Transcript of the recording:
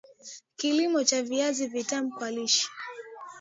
kilimo cha viazi vitam vya lishe